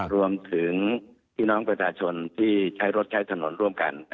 รวมถึงพี่น้องประชาชนที่ใช้รถใช้ถนนร่วมกัน